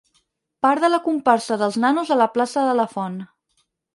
Part de la comparsa dels Nanos a la plaça de la Font.